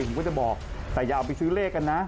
ผมก็จะบอกแต่อย่าเอาไปซื้อเลขกันนะ